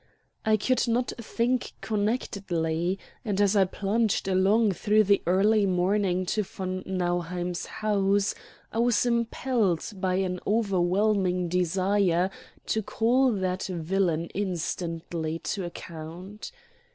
I could not think connectedly, and as I plunged along through the early morning to von Nauheim's house I was impelled by an overwhelming desire to call that villain instantly to account.